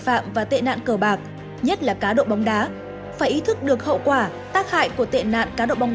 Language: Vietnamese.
phạm và tệ nạn cờ bạc nhất là cá độ bóng đá phải ý thức được hậu quả tác hại của tệ nạn cá độ bóng